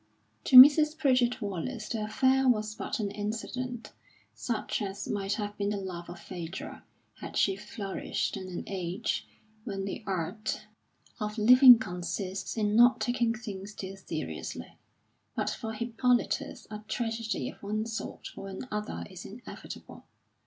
To Mrs. Pritchard Wallace the affair was but an incident, such as might have been the love of Phædra had she flourished in an age when the art of living consists in not taking things too seriously; but for Hippolitus a tragedy of one sort or another is inevitable.